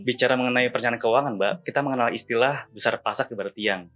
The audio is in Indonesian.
bicara mengenai perencanaan keuangan mbak kita mengenal istilah besar pasak ibarat tiang